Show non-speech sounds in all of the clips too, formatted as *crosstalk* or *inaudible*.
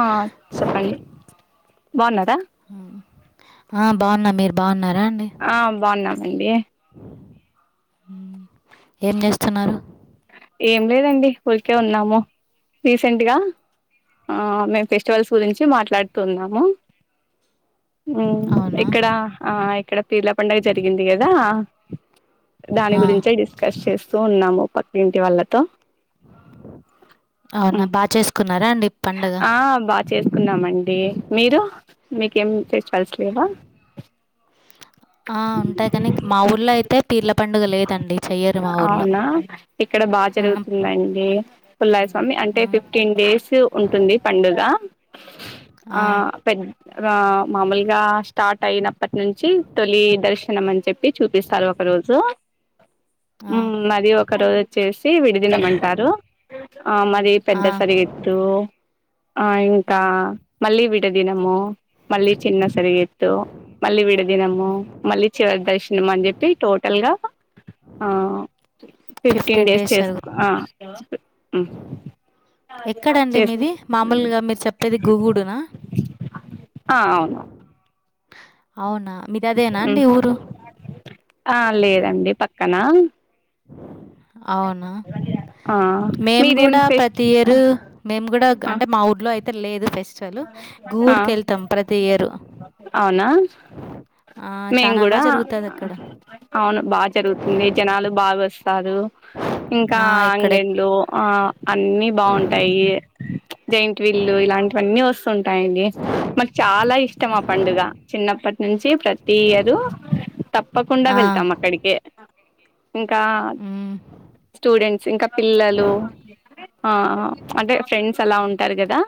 ఆ చెప్పండి బావున్నరా? ఆ బావున్న. మీరు బావున్నరా అండి? ఆ బాగున్నామండి. ఏం చేస్తున్నారు? ఏం లేదండి ఉలికే ఉన్నాము, రీసెంట్గా ఆ మేము ఫెస్టివల్స్ గురించి మాట్లాడుతున్నాము అవునా ఇక్కడ ఆ ఇక్కడ పీర్ల పండుగ జరిగింది కదా దాని ఆ, గురించే డిస్కస్ చేస్తూ ఉన్నాము, పక్క ఇంటి వాళ్ళతో అవునా హ్మ్. బాచేసుకున్నారా అండి? పండగ ఆ బాచేసుకున్నామండి. మీరు మీకేం ఫేస్టివల్స్ లేవా? ఆ ఉంటాయి కాని మా ఊళ్లో అయితే పీర్ల పండుగ లేదండి చెయ్యరు మా ఊర్లో అవునా ఇక్కడ బాజరుగుతుందండి. పుల్లయ్యస్వామి అంటే ఫిఫ్టీన్ డేస్ ఉంటుంది పండుగ, ఆ పెద్దగా మామూలుగా స్టార్ట్ అయిన అప్పటి నుంచి తొలి దర్శనం అని చెప్పి చూపిస్తారు ఒక రోజు. అది ఒక రోజు వచ్చేసి విడిదినమంటారు. ఆ మరి పెద్ద సరిగెద్దు ఆ ఇంకా మళ్ళీ విడదినము, మళ్ళీ చిన్న సరిగెత్తు మళ్లీ విడ దినము మళ్ళీ చివరి దర్శనం అని చెప్పి టోటల్గా ఆ ఫిఫ్టీన్ డేస్ చేసుకో ఆ ఎక్కడండి చేస్ మీది మామూలుగా మీరు చెప్పేది గుగూడునా. అవును అవునా మీది అదేనా మ్మ్ అండి ఊరు? ఆ లేదండి పక్కనా. అవునా ఆ మేము మీరేం కూడా ఫెస్ట్ ప్రతి ఇయరు మేము కూడా ఆ అంటే మా ఊర్లో అయితే లేదు ఫెస్ స్టివలు ఆ గూవుడికి వెళ్తాం ప్రతి ఇయరు. అవునా ఆ మేము చానా కూడా బాజరుగుతది అక్కడ. అవును బాజరుగుతుంది జనాలు బాగా వస్తారు, ఇంకా ఆ! ఎక్కడెక్ అంగన్లు ఆ అన్ని బాగుంటాయి జైట్ వీల్లు ఇలాంటివన్నీ వస్త ఉంటాయండి మాకు చాలా ఇష్టం ఆ పండుగ చిన్నప్పటి నుంచి ప్రతి ఇయరు తప్పకుండా ఆ! వెళ్తాం అక్కడికే ఇకా హ్మ్. స్టూడెంట్స్ ఇంకా పిల్లలు ఆ అంటే ఫ్రెండ్స్ అలా ఉన్ ఆర్ గాదా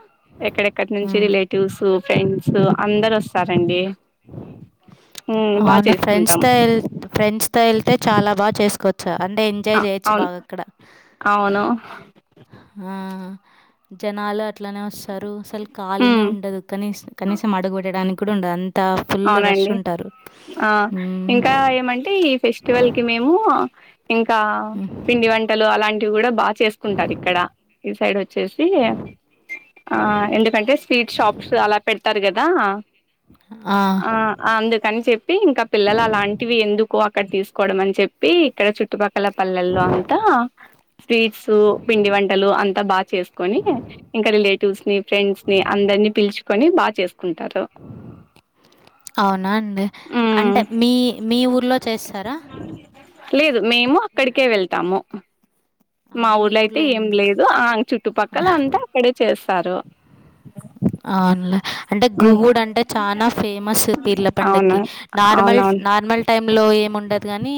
ఎక్కడెక్కడి నుంచి హ్మ్. రిలేటివ్స్ ఫ్రెండ్స్ అందరు ఆస్తారండి అవును ఫ్రెండ్స్ తో ఎళ్తే ఫ్రెండ్స్తో ఎళ్తే చాలా బాగా చేసుకోవచ్చు అంటే ఇంత్ ఎంజాయ్ ఆ జయచ్చు అవును బాగా అక్కడ అవును జనాలు అట్లానే ఆస్తారు అసలు ఖాళీనే ఉమ్ ఉండదు కనీస కనీసం అడుగు పెెట్టడానికి కూడా ఉండదు అంత్ త అవునండి ఆ హ్మ్. ఇంకా ఏమంటే ఈ ఫెస్టివల్కి మేము ఇంకా హ్మ్. పిండి వంటలు అలాంటివి కూడా బాగా చేసుకుంటారు ఇక్కడ ఈ సైడ్ వ చ్చేసి ఆ ఎందుకంటే స్వీట్ షాప్స్ అలా పెడతారు కదా ఆ ఆ అందుకని చెప్పి ఇంకా పిల్లలు అలాంటివి ఎందుకు అక్కడ తీసుకోవడం అని చెప్పి ఇక్కడ చుట్టుపక్క ల పల్లెల్లో అంతా స్వీట్స్ పిండి వంటలు అంతా బాగా చేసుకొని ఇంకా రిలేటివ్స్ ని ఫ్రెండ్స్ ని అందరినీ పిలుచుకొని బాగా చేసుకుంటారు అవునా అండి మ్మ్ అంటే మీ మీ ఊర్లో చేస్తారా లేదు మేము అక్కడికే వెళ్తాము మా అవునా? మీ ఊర్ళయితే ఊర్లో ఏం లేదు ఆ చుట్టుపక్కల అంతే అక్కడే చేస్తారు అవునులే అంటే హ్మ్. గుహుడు అంటే చాలా ఫేమస్ పీర్ల పండకి అవునా నార్మల్ అవునవును నార్మల్ టైంలో ఏముండదు గాని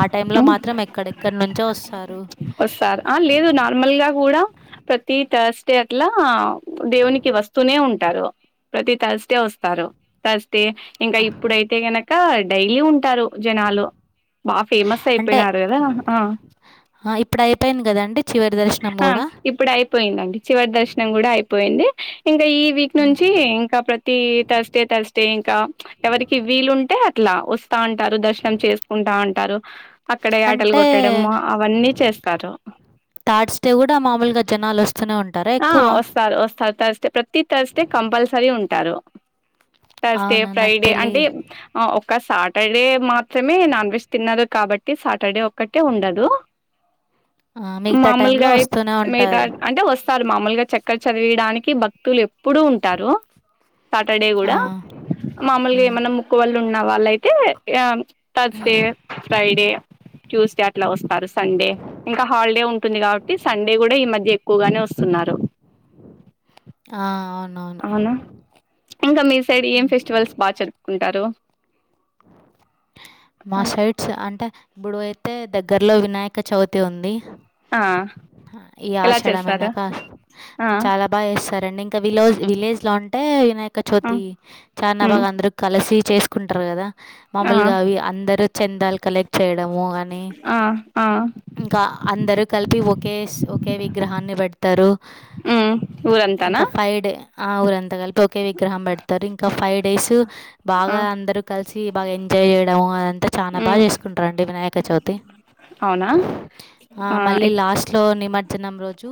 ఆ టైంలో మ్మ్ మాత్రం ఎక్కడెక్కడ నుంచో ఆస్తారు వస్తారు ఆ లేదు నార్మల్ గా గూడ ప్రతి థర్స్డే అట్లా దేవునికి వస్తూనే ఉంటారు ప్రతి థర్స్డే వస్తారు థర్స్డే ఇంకా ఇప్పుడైతే గనుక డైలీ ఉంటారు జనాలు బా ఫేమస్ అంటే అయిపోయినారు గాదా ఆ ఆ ఇప్పుడు అయిపోయింది కదాండి చివరి దర్శనం కూడా పోయిందండి చివరి దర్శనం కూడా అయిపోయింది ఇంకా ఈ వీక్ హ్మ్. నుంచి ఇంకా ప్రతి థర్స్డే థర్స్డే ఇంకా ఎవరికి వీలుంటే అట్లా వాస్ స్తా ఉంటారు దర్శనం చేసుకుంటా ఉంటారు అక్కడ ఆటలు అంటే కొట్టడము అవన్నీ చేస్తారు థర్డ్స్ డే కూడా మామూలుగా జనాలు వస్తూనే ఉంటారా ఎక్కువ *unintelligible* వస్తారు థర్స్డే ప్రతి థర్స్డే కంపల్సరీ ఉంటారు త్ర్సడే అవునా? నాకు ఫ్రైడే తెలి అంటే ఆ ఒక సాటర్డే మాత్రమే నాన్ వెజ్ తిన్నారు కాబట్టి సాటర్డే ఒ కటే ఉండదు ఆ! మిగతా టైంలో మామూలుగాయ అయిత్ వస్తూనే మీద ఉంటారు. అంటే వస్తు సారు మామూలుగా చక్కర్ చదివడానికి భక్తులు ఎప్పుడుూ ఉంటారు సాటర్డే ఆ! కూడా మామూలుగా హ్మ్. ఏమన్నా ముక్కు వాళ్ళు ఉన్న వాళ్ళయితే థర్స్డే ఫ్రైడే ట్యూస్డే అట్లా వస్తారు సండే ఇంకా హాలిడే ఉంటుంది కాబట్టి సండే కూడా ఈ మధ్య ఎక్కువగానే వస్తున్నారు ఆ అవును అవునా ఇంకా మీ సైడ్ ఏం ఫెస్టివల్స్ బాగా చెరుపుకుంటారు మా సైట్స్ అంటే ఇప్పుడు అయితే దగ్గరలో వినాయక చవితి ఉంది ఆ ఈ ఎలా ఆషాడం చేస్తారు అన్నాక ఆ చాలా బా చేస్తారండి ఇంకా విలోజ్ విలేజ్ లో అంటే వినాయక్ వినాయక ఆ చవితి చానా ఉమ్ బాగా అందరు కలిసి చేసుకుంటారు కదా ఆ మమలుగా అవి అందరూ చెందాలు కలెక్ట్ చేయడము అని ఆ ఆ ఇంకా అందరు కలిపి ఒకే ఒకే విగ్రహాన్ని బట్ పెడతారు ఉమ్ ఊరంతానా ఇంకా ఫైవ్ డే ఆ ఊరంతా కలిపి ఒకే విగ్రహం పెడతారు ఇంకా ఫైవ్ డేస్ ఆ బాగా అందరు కలిసి బా ఎంజాయ్ చేయడం అదంతా చాలా బాగా ఉమ్ చేసుకుంటారండి వినాయక చవితి అవునా ఆ మల్ల ఎక్ లాస్ట్ లో నిమజ్జనం రోజు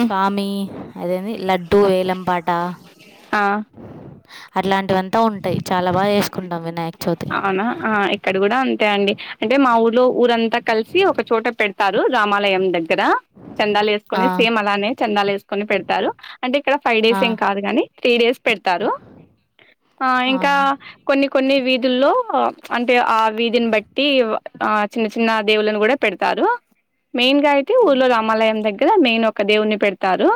ఉమ్ అదేదీ లడ్డు వేలంపాట ఆ అట్లాంటి అంతా ఉంటాయి చాలా బాగా వేసుకుంటాం వినాయక చవితి అవునా ఇక్కడ కూడా అంతే అండి అంటే మా ఊర్లో ఊరంతా కలిసి ఒక చోట పెడతారు రామాలయం దగ్గర చందాలు ఆ, వేసుకొని సేమ్ అలానే చందాలు వేసుకొని పెడతారు అంటే ఇక్కడ ఫైవ్ ఆ, డేస్ ఏం కాదు కాని త్రీ డేస్ పెడతారు ఇంకా అవును కొన్ని కొన్ని వీధుల్లో అంటే ఆ వీధిని బట్టి ఆ చిన్న చిన్న దేవులను కూడా పెడతారు మెయిన్ గా అయితే ఊర్లో రామాలయం దగ్గర మెయిన్ ఒక దేవుని పెడతారు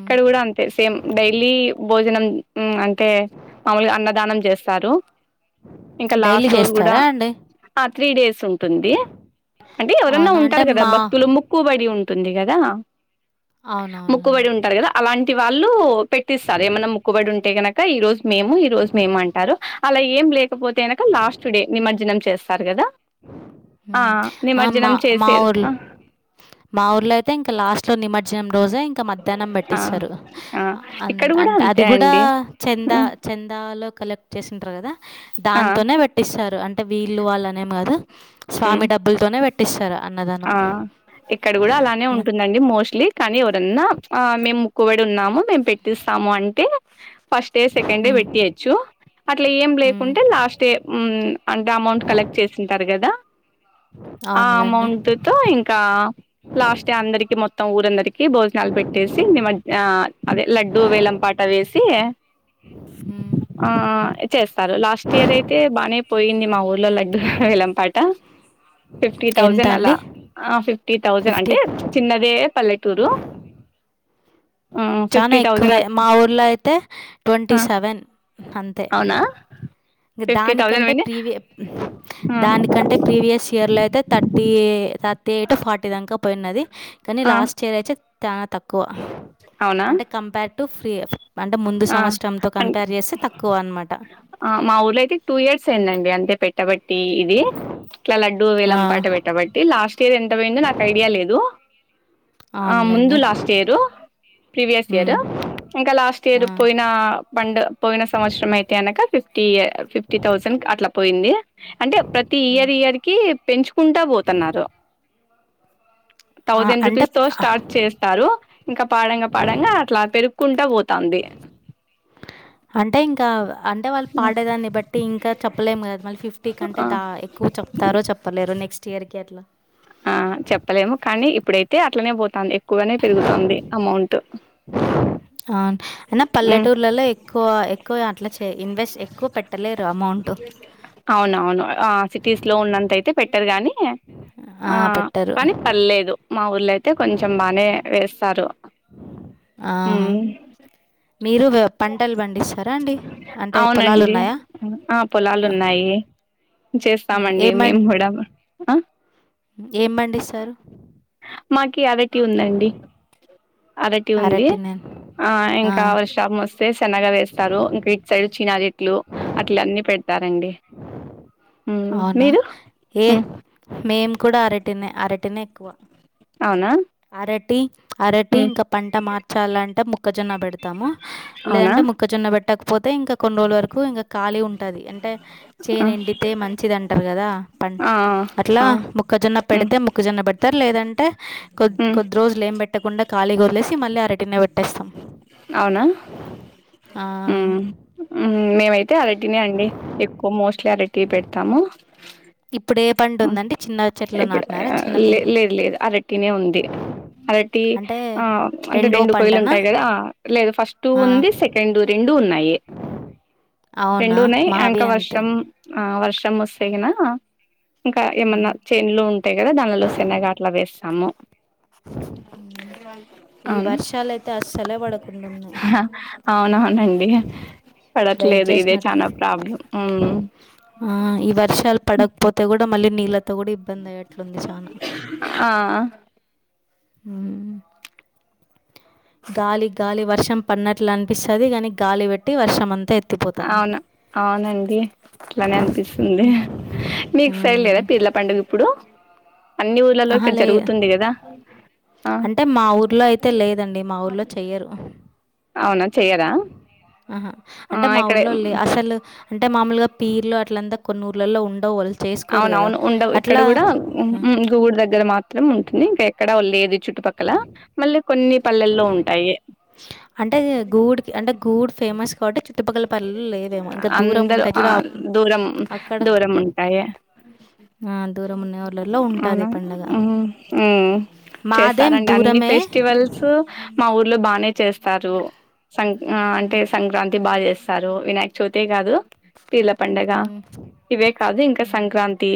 ఇక్కడ కూడా అంతే సేమ్ డైలీ భోజనం ఊ అంతే అంటే మామలుగా అన్నదానం చేస్తారు ఇంకా డైలీ లాస్ట్ రోజు కూడా చేస్తారా అండి ఆ త్రీ డేస్ ఉంటుంది అంటే ఎవరన్నా అవునా ఉంటారు అంటే కదా మా భక్తులు ము ముక్కుబడి ఉంటుంది కదా అవునవునులే ముక్కుబడి ఉంటారు కదా అలాంటి వాళ్ళు పెట్టిస్తారు ఏమన్నా ముక్కుబడి ఉంటే కనక ఈ రోజు మేము ఈ రోజు మేము అంటారు అలా ఏం లేదు లేకపోతే గనుక లాస్ట్ డే నిమజ్జనం చేస్తారు కదా ఆ హ్మ్. ఆ! మా నిమజ్జనం మా చేసేది ఊర్లో ఆ మా ఊర్లో అయితే ఇంకా లాస్ట్ లో నిమజ్జనం రోజే ఇంక మ్య మధ్యాహ్నం ఆ పట్టిస్తారు ఆ అ ఇక్కడ కూడా అంటే అది అంతే కూడా అండి చంద హ్మ్. చందాలో కలెక్ట్ చేసింటారు కదా ఆ దాంతోనే పెట్టిస్తారు అంటే వీలు వాళ్ళలు కాదు ఉమ్ స్వామి డబ్బులతోనే పెట్టిస్తారు అన్నదానం ఆ ఇక్కడ కూడా అలానే ఉంటుందండి మోస్ట్లీ కానీ ఎవరన్నా మేము ముక్కుబడి ఉన్నాము మేము పెట్టిస్తాము అంటే ఫస్ట్ డే సెకండ్ డే హ్మ్. పెట్టి అచ్చు అట్లా ఏం హ్మ్. లేకుంటే లాస్ట్ అంటే అమౌంట్ కలెక్ట్ చేసింటారు కదా ఆ అవును అమౌంట్ తో ఇంకా లాస్ట్ డే అందరికి మొత్తం ఊరందరికీ భోజనాలు పెట్టేసి నిమ అదే లడ్డు వేలంపాట వేసి ఉ ఆ చేస్తారు లాస్ట్ ఇయర్ అయితే బాగానే పోయింది మా ఊర్లో లడ్డు వేలం పాట ఫిఫ్టీ ఎంత తథౌసండ్ అలా అండి ఆ ఫిఫ్టీ థౌజండ్ ఫిఫ్టీ అంటే చిన్నదే పల్లెటూరు ఆ చాలా ఫిఫ్టీ థౌజండ్ ఎక్కువే మా ఊర్లో అయితే ట్వంటీ ఆ సెవెన్ అంతే అవునా ఇంక ఫిఫ్టీ థౌజండ్ దానికంటే విని ప్రీవియ ఆ దానికంటే ప్రీవియస్ ఇయర్లో అయితే థర్టీ ర్తి ఎయిట్ ఫార్టీ దాక పోయినది కానీ ఆ లాస్ట్ ఇయర్ అయితే చాలా తక్కువ అవునా అంటే కంపేర్ టు ఫ్రీ అంటే ముందు ఆ సంవత్సరంతో కంపేర్ చేస్తే తక్కువ అనమాట ఆ మా ఊర్లో టూ ఇయర్స్ అయిందండి అంతే పెట్టబట్టి ఇది ఇట్లా లడ్డూ వీలం పాట పెట్టబట్టి తె లాస్ట్ ఇయర్ ఎంత పోయిందో నాకు ఐడియా లేదు ఆ ముందు అవునులేండి లాస్ట్ ఇయరు ప్రీవియస్ ఇయర్ ఉమ్. ఇంకా లాస్ట్ ఇయర్ ఆ. పోయిన పండు పోయిన సంవత్సరం అయితే అనక ఫిఫ్ ఫ్టీ యే ఫిఫ్టీ థౌజండ్క్ అట్లా పోయింది అంటే ప్రతి ఇయర్ ఇయర్ కి పెంచుకుంటా పోతన్నారు ఆ, థౌజండ్ అంటే రూపీస్ తో స్టార్ట్ చేస్తారు ఇంక పాడంగా పాడంగా అట్లా పెరుక్కుంట పోతాంది అంటే ఇంకా వ్ అంటే వాళ్ళు పాడేదాన్ని బట్టి ఇంకా చెప్పలేము గద మళ్ళీ ఫిఫ్టీ కంటే ఆ దా ఎక్కువ చెప్తారో చెప్ త్తలేరు నెక్స్ట్ ఇయర్ కి ఎట్లా ఆ చెప్పలేము కానీ ఇప్పుడైతే అట్లనే పోతాంది ఎక్కువగనే పెరుగుతాంది అమౌంట్ అవున్ అయినా ఉమ్ పల్లెటూర్లల్లో ఎక్కువ ఎక్కువ అట్లా చే ఇన్వెస్ట్ ఎక్కువ పెట్టలేరు అమౌంట్ అవునవును ఆ సిటీస్ లో ఉన్నంతయితే పెట్టరు గాని ఆ కనీ పర్లేదు మా ఊర్ళయితే కొంచెం బానే ఏస్తారు ఆహ మీరు వ్య పంటలు పండిస్తారా అండి అంటే అవునండి పొలాలున్నయా ఆ చేస్తామండి ఏం పం మేము గూడా ఏం పండిస్తరు మాకి అరటి ఉందండి అరటి ఉంది అరటినే ఆ ఇంకా వర్షాప్ మస్ సే సెనగ వేస్తారు ఇంక ఇటు సైడ్ చినా చెట్లు అట్ల అన్నీ పెడతారండి మ్మ్ అవునా మీరు ఏ మ్మ్ మేము కూడ అరటినే అరటినే ఎక్కువ అవునా అరటి అరటి మ్మ్ ఇంక పంట మార్చాలంటే ముక్ క్కజొన్న పెడతాము అవునా లేదంటే ముక్కజొన్న బెట్ ట్టకపోతే ఇంక కొన్ని రోజుల వరకు ఇంగ ఖాళీ ఉంటది అంటే ఆ చేన్ ఎండితే మంచిది అంటరు గదా పన్ ఆ హా క్కజొన్న పెడితే మొక్కజొన్న పెడతరు లేదంటే కొద్ మ్మ్ కొద్ది రోజులు ఏం పెట్టకుండ ఖాళీగొదిలేసి మళ్ళీ అరటినే పెట్టేస్తాం అవునా ఆ ఉమ్ హ్ మేమైతే అరటినే అండి ఎక్కువ మోస్ట్లీ అరటియే పెడతాము ఇప్పుడు ఏ పంట ఉందండి చిన్న చెట్లు ఇప్పుడు నాటినారా లే చిన్నపిల్ల లేదు లేదు అరటినే ఉంది అరటి అంటే ఆ అంటే రెండో రెండు పంటనా కోయిలుంటాయి గదా ఆ లేదు ఫస్ట్ ఆ, ఉంది సెకండ్ రెండూ ఉన్నాయి రెండు అవునా ఉన్నాయి ఇంక మావి అంతే వర్షం ఆ వర్షమొస్తేగినా ఇంకా ఏమన్న చేనులు ఉంటాయి కదా దానిలో శనగ అట్లా వేస్తాము ఉమ్ ఈ అవును వర్షాలయితే అస్సలే పడకుండున్నాయి అవునవునండి వెయిట్ పడట్లేదు ఇదే చేసినట్లు చానా ప్రాబ్లం ఉమ్ ఉమ్ ఆ ఈ వర్షాలు పడకపోతే గూడ మళ్ళీ నీళ్ళతో కూడా ఇబ్బంది అయ్యేట్లుంది చానా ఆ ఉమ్ గాలి గాలి వర్షం పడినట్లనిపిస్తది గనీ గాలి పెట్టి వర్షం అంతెత్ అవును అవునండి అట్లానే అనిపిస్తుంది, ఉమ్. మీకు ఫైల్లేదా ఉమ్. పీర్ల పండుగప్పుడు అన్ని ఊర్లలో ఆహా ఇక్కడ లే జరుగుతుంది కదా ఆ అంటే మా ఊర్లో అయితే లేదండి మా ఊర్లో చెయ్యరు. అవునా, చెయ్యరా? ఆహా ఆ అంటే మా ఇక్కడ ఊర్లోళ్ళ అసలు అంటే మామూలుగా పీర్లు అట్లంతా కొన్ని ఊర్లలో ఉండవు, వాళ్ళు చేసు అవునవును ఉండవు, ఇక్కడ కూడా గుడి దగ్గర మాత్రం ఉంటుంది ఇంకా ఎక్కడ లేదు చు చుట్టుపక్కల మళ్ళీ కొన్ని పల్లెల్లో ఉంటాయి అంటే గూడికి అంటే గూడ్ ఫేమస్ కాబట్టి చుట్ చుట్టుపక్కల పల్లెల్లో లేవేమో ఇంకా దూరం అందరూ ఉంటాయి ఆ చూడు దూరం అక్కడ దూరం ఉంటాయి ఆ దూరం ఉన్న ఊర్లలో ఉంటాది అవునా పండగ, మాది పరంగా అన్ని ఫెస్టివల్స్ మా ఊర్లో బానే చేస్తారు సం అంటే సంక్రాంతి బాగా చేస్తారు, వినాయక చవితే కాదు పీర్ల పండుగ ఉమ్, ఇవే కాదు, ఇంకా సంక్రాంతి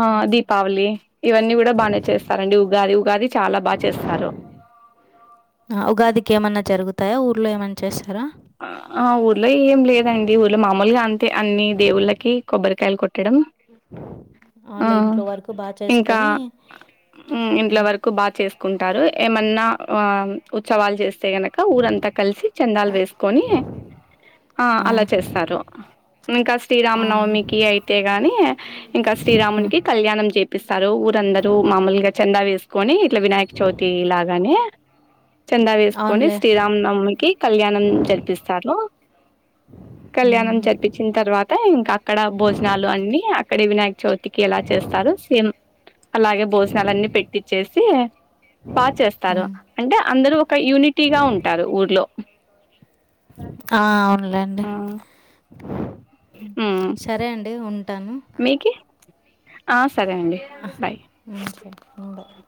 ఆ ఉమ్. దీపావళి ఇవన్నీ కూడా బాగానే చేస్తారండి ఉగాది ఉగాది చాలా బాగా చేస్తారు. ఆ ఉగాదికి ఏమన్నా జరుగుతాయా, ఊర్లో ఏమన్నా చేస్తారా? ఆ ఆ ఊర్లో ఏం లేదండి ఊర్లో మామూలుగా అం టే అన్ని దేవుళ్ళకి కొబ్బరికాయలు కొట్టడం ఆ ఓన్లీ ఇంట్లో వరకు బాగా ఇంకా చేసుకొని ఇంట్లో ఉమ్, వరకు బాగా చేసుకుంటారు, ఏమన్నా ఉత్సవాలు చేస్తే గనక క ఊరంతా కలిసి చందాలు వేస్ కుని ఆ అలా చేస్తారు, ఇంకా శ్రీరామ అవును నవమికి అయి యితే గాని ఇంకా ఉమ్, శ్రీరామునికి కళ్యాణం చేపిస్తారు, ఊరందరూ మామూలుగా చందా వేసుకొని ఇట్లా వినాయక చవితి లాగానే చందా వేసుకొని అవునులే శ్రీరామనవమికి కళ్యాణం తెపిస్తారు కళ్యాణం ఉమ్, జరిపించిన తర్వాత ఇంకా అక్కడ భోజనాలు అన్ని అ అక్కడ వినాయక చవితికి ఎలా చేస్తారో సేమ్ అలాగే భోజనాలన్ని పెట్టిచ్చేసి బాగా చేస్తారు ఉమ్. అంటే అందరు ఒక యూనిటీగా ఉంటారు ఊర్లో ఆ అవునులేండి ఉమ్ సరే అండి ఉంటాను మీకి, ఆ సరే అండి బై ఓకే